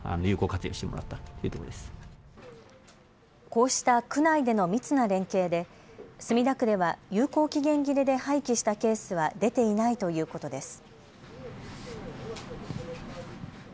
こうした区内での密な連携で墨田区では有効期限切れで廃棄したケースは出ていないということです。